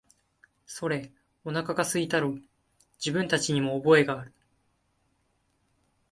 それ、おなかが空いたろう、自分たちにも覚えがある、